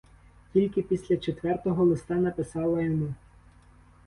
Тільки після четвертого листа написала йому.